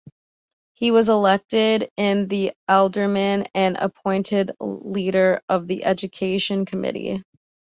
He was elected an Alderman and appointed Leader of the Education Committee.